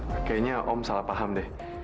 kayaknya om salah paham deh